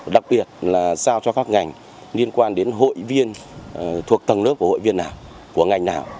đặc biệt là giao cho các ngành liên quan đến hội viên thuộc tầng lớp của hội viên nào của ngành nào